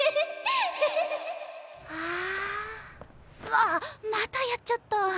うわっまたやっちゃった！